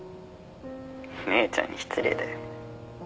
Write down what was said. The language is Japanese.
姉ちゃんに失礼だよ。